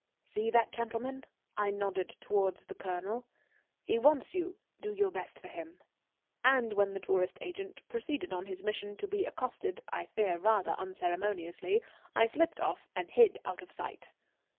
"See that gentleman," I nodded towards the Colonel. "He wants you; do your best for him." And when the tourist agent proceeded on his mission to be accosted, I fear rather unceremoniously, I slipped off and hid out of sight.